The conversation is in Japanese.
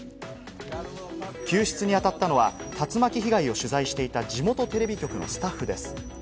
救出にあたったのは竜巻被害を取材していた地元テレビ局のスタッフです。